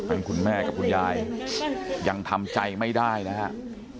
เป็นคุณแม่กับคุณยายยังทำใจไม่ได้นะครับ